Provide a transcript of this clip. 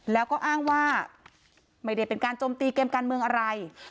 แล้วก็อ้างว่าไม่ได้เป็นการจมตีเกมการเมืองอะไร